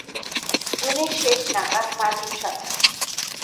জুনের শেষ নাগাদ মার্কিন সরকার।